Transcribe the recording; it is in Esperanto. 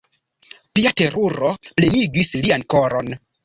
Pia teruro plenigis lian koron.